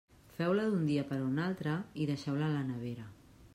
Feu-la d'un dia per a un altre i deixeu-la a la nevera.